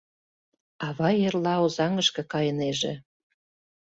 Авай эрла Озаҥышке кайынеже.